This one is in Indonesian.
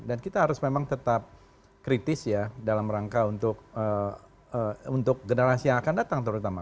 dan kita harus memang tetap kritis ya dalam rangka untuk generasi yang akan datang terutama